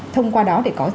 thông qua đó để có